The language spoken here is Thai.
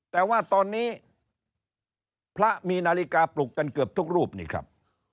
แต่ว่าตอนนี้พระมีนาฬิกาปลุกกันเกือบทุกรูปนี่ครับ